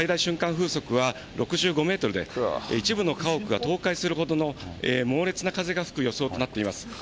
風速は６５メートルで、一部の家屋が倒壊するほどの猛烈な風が吹く予想となっています。